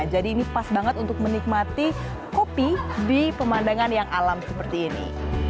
jadi ini pas banget untuk menikmati kopi di pemandangan yang alam seperti ini